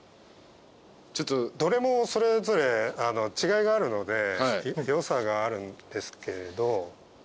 どれもそれぞれ違いがあるので良さがあるんですけれど。